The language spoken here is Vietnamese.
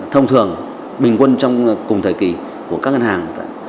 thông thường bình quân trong cùng thời kỳ của các ngân hàng